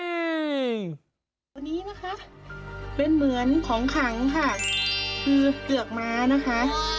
ตัวนี้นะคะเป็นเหมือนของขังค่ะคือเกือกม้านะคะ